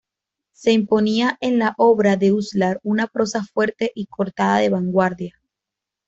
Se imponía en la obra de Uslar una prosa fuerte y cortada de vanguardia.